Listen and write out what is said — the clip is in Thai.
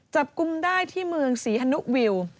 กุมได้ที่เมืองศรีฮนุวิว